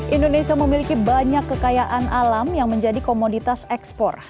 indonesia memiliki banyak kekayaan alam yang menjadi komoditas ekspor